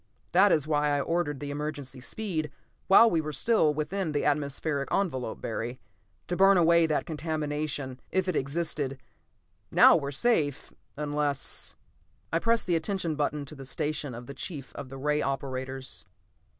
That is why I ordered the emergency speed while we were still within the atmospheric envelope, Barry. To burn away that contamination, if it existed. Now we are safe, unless " I pressed the attention button to the station of the chief of the ray operators.